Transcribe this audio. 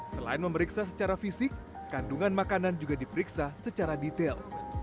selain memeriksa secara fisik kandungan makanan juga diperiksa secara detail